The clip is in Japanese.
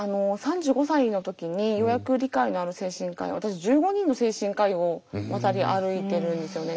３５歳の時にようやく理解のある精神科医を私１５人の精神科医を渡り歩いてるんですよね。